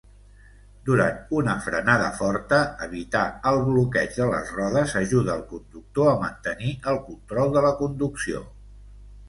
Durant una frenada forta, evitar el bloqueig de les rodes ajuda al conductor a mantenir el control de la conducció.